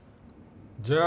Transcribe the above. じゃあ